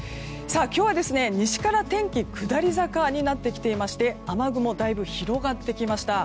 今日は西から天気が下り坂になってきていまして雨雲がだいぶ広がってきました。